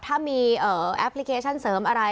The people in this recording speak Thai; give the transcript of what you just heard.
ถ้ามีแอปพลิเคชันเสริมอะไร